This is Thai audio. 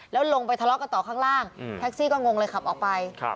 แล้วลงไปทะเลาะกันต่อข้างล่างแท็กซี่ก็งงเลยขับออกไป